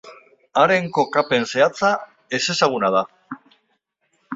Haren kokapen zehatza ezezaguna da.